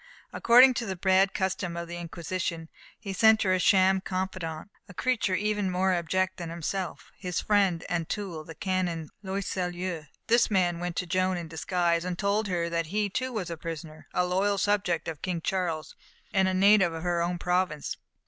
According to the bad custom of the Inquisition, he sent her a sham confidant, a creature even more abject than himself his friend and tool, the Canon Loyseleur. This man went to Joan in disguise, and told her that he, too, was a prisoner, a loyal subject of King Charles, and a native of her own province.